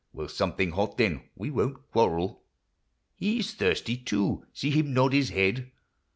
— Well, something hot, then — we won't quarrel. He 's thirsty too, — see him nod his head